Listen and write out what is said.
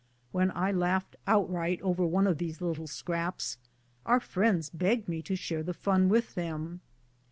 When I laughed outright over one of these little scraps, our friends begged me to share the fun with them.